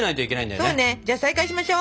そうねじゃあ再開しましょう。